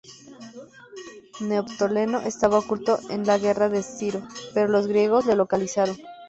Neoptólemo estaba oculto de la guerra en Esciro, pero los griegos le localizaron.